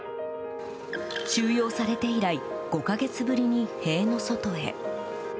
収容されて以来５か月ぶりに塀の外へ。